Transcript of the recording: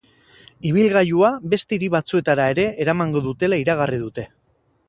Ibilgailua beste hiri batzuetara ere eramango dutela iragarri dute.